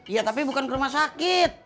ya tapi bukan ke rumah sakit